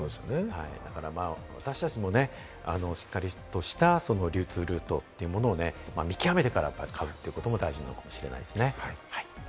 私達もしっかりとした流通ルートというものを見極めてから買うということも大事なのかもしれないですね。